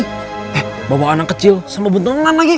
eh bawa anak kecil sama benteng angan lagi